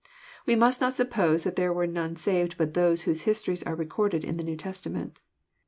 We must not suppose that there were none saved but those whose histories are recorded in the New Testament.